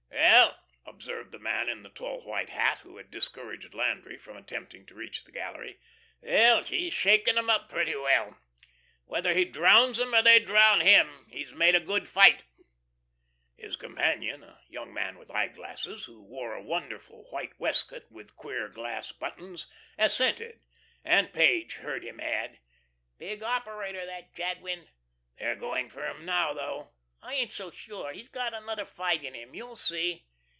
"Well," observed the man in the tall white hat, who had discouraged Landry from attempting to reach the gallery, "well, he's shaken 'em up pretty well. Whether he downs 'em or they down him, he's made a good fight." His companion, a young man with eyeglasses, who wore a wonderful white waistcoat with queer glass buttons, assented, and Page heard him add: "Big operator, that Jadwin." "They're doing for him now, though." "I ain't so sure. He's got another fight in him. You'll see."